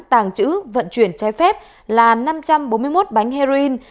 tàng trữ vận chuyển trái phép là năm trăm bốn mươi một bánh heroin